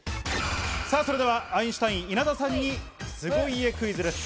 それではアインシュタイン・稲田さんに凄家クイズです。